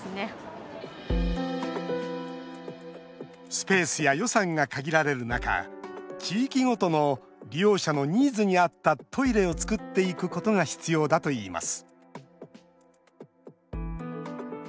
スペースや予算が限られる中地域ごとの利用者のニーズに合ったトイレをつくっていくことが必要だといいます